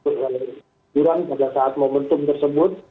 kemudian pada saat momentum tersebut